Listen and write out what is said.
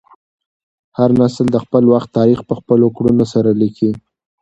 هر نسل د خپل وخت تاریخ په خپلو کړنو سره لیکي.